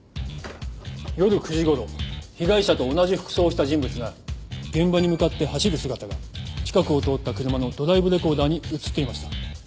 夜９時頃被害者と同じ服装をした人物が現場に向かって走る姿が近くを通った車のドライブレコーダーに映っていました。